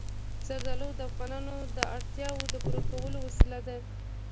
زردالو د افغانانو د اړتیاوو د پوره کولو وسیله ده.